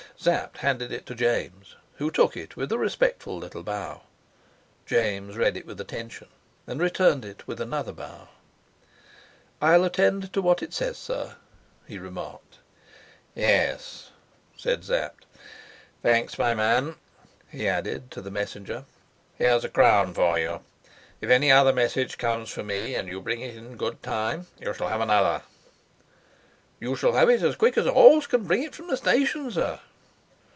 Sapt handed it to James, who took it with a respectful little bow. James read it with attention, and returned it with another bow. "I'll attend to what it says, sir," he remarked. "Yes," said Sapt. "Thanks, my man," he added to the messenger. "Here's a crown for you. If any other message comes for me and you bring it in good time, you shall have another." "You shall have it quick as a horse can bring it from the station, sir."